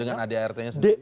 dengan adrt nya sendiri